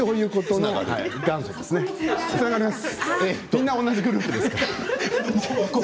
みんな同じグループですから。